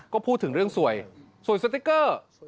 ก็พูดถึงเรื่องสวยสวยสติ๊กเกอร์